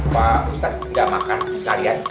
pak ustadz tidak makan sekalian